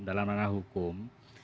dalam mana hukum